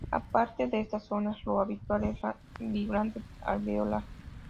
Aparte de estas zonas, lo habitual es la vibrante alveolar.